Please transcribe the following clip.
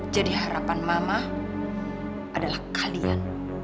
jadi harapan mama adalah kalian